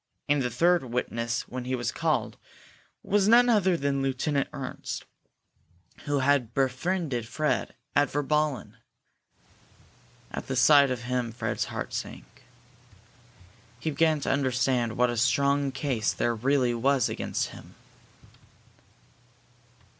And the third witness, when he was called, was none other than Lieutenant Ernst, who had befriended Fred at Virballen! At the sight of him Fred's heart sank. He began to understand what a strong case there really was against him.